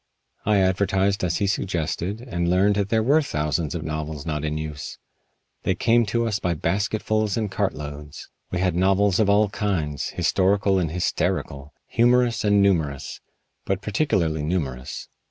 I advertised as he suggested and learned that there were thousands of novels not in use. They came to us by basketfuls and cartloads. We had novels of all kinds historical and hysterical, humorous and numerous, but particularly numerous.